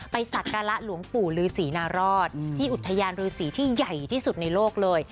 ไปศักระหลวงปู่ฤษีนารอดที่อุทยานฤษีที่ใหญ่ที่สุดในโลกเลย